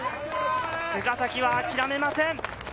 菅崎は諦めません。